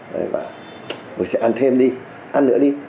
rồi sẽ ăn thêm đi ăn nữa đi